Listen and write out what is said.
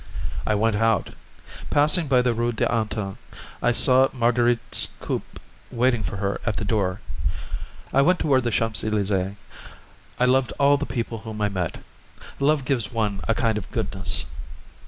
I went out. Passing by the Rue d'Antin, I saw Marguerite's coupé waiting for her at the door. I went toward the Champs Elysées. I loved all the people whom I met. Love gives one a kind of goodness.